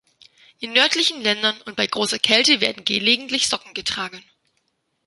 In nördlichen Ländern und bei großer Kälte werden gelegentlich Socken getragen.